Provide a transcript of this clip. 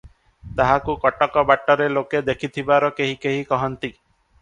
ତାହାକୁ କଟକ ବାଟରେ ଲୋକେ ଦେଖିଥିବାର କେହି କେହି କହନ୍ତି ।